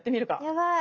やばい。